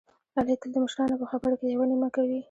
علي تل د مشرانو په خبره کې یوه نیمه کوي.